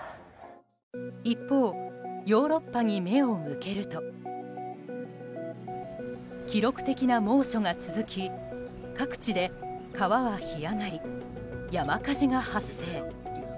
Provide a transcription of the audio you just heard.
一方、ヨーロッパに目を向けると記録的な猛暑が続き各地で川は干上がり山火事が発生。